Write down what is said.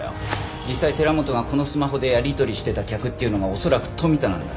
実際寺本がこのスマホでやり取りしてた客っていうのが恐らく富田なんだ。